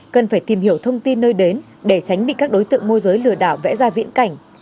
cần phải tìm hiểu thông tin nơi đến để tránh bị các đối tượng môi giới lừa đảo vẽ ra viễn cảnh